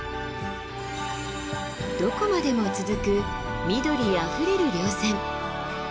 どこまでも続く緑あふれる稜線。